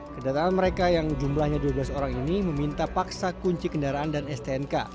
kedatangan mereka yang jumlahnya dua belas orang ini meminta paksa kunci kendaraan dan stnk